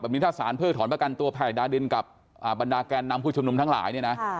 อันนี้ศาลเพิกถอนประกันตัวภัยดาวดินกับบรรดาแกนนำผู้ชมนุมทั้งหลาย